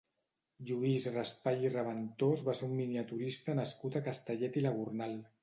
Lluís Raspall i Raventós va ser un miniaturista nascut a Castellet i la Gornal.